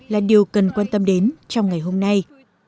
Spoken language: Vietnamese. là điều cần quan tâm đến trong ngày hôm nay